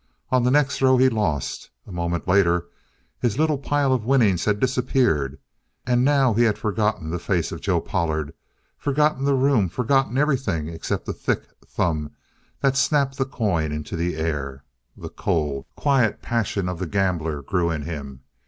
On the next throw he lost. A moment later his little pile of winnings had disappeared. And now he had forgotten the face of Joe Pollard, forgotten the room, forgotten everything except the thick thumb that snapped the coin into the air. The cold, quiet passion of the gambler grew in him.